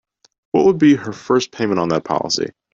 What would be her first payment on that policy?